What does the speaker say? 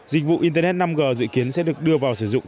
dịch vụ internet năm g dự kiến sẽ được đưa vào sử dụng